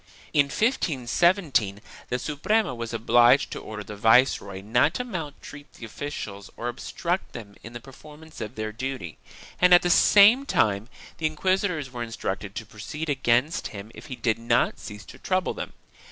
In 1517 the Suprema was obliged to order the viceroy not to maltreat the officials or obstruct them in the performance of their duty, and at the same time, the inquis itors were instructed to proceed against him if he did not cease to trouble them.